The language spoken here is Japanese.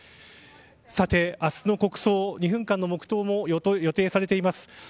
さて、明日の国葬２分間の黙とうも予定されています。